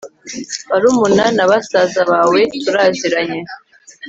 barumuna na basaza bawe turaziranye